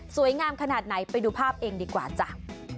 งามขนาดไหนไปดูภาพเองดีกว่าจ้ะ